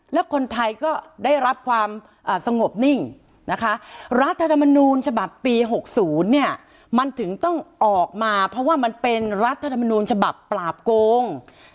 แล้วคนไทยก็ได้รับความสงบนิ่งนะคะรัฐธรรมนูญฉบับปี๖๐เนี่ยมันถึงต้องออกมาเพราะว่ามันเป็นรัฐธรรมนูญฉบับปราบโกง